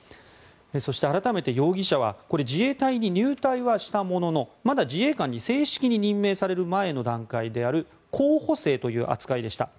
そして、改めて容疑者は自衛隊に入隊はしたもののまだ自衛官に正式に任命される前の段階である候補生という扱いでした。